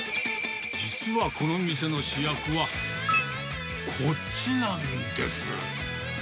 実はこの店の主役は、こっちなんです。